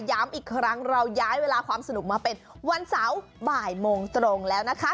ย้ำอีกครั้งเราย้ายเวลาความสนุกมาเป็นวันเสาร์บ่ายโมงตรงแล้วนะคะ